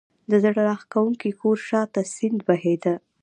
د زړه راکښونکي کور شا ته سیند بهېده.